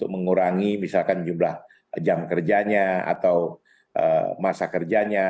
mengurangi misalkan jumlah jam kerjanya atau masa kerjanya